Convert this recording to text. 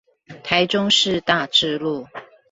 台中市大智路